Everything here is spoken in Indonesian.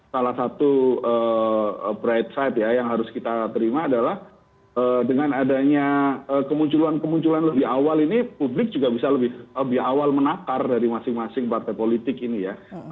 salah satu bright side ya yang harus kita terima adalah dengan adanya kemunculan kemunculan lebih awal ini publik juga bisa lebih awal menakar dari masing masing partai politik ini ya